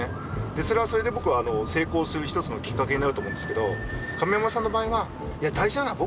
それはそれで僕は成功する一つのきっかけになると思うんですけど亀山さんの場合は「いや大事なのは僕のことじゃないんだよ」。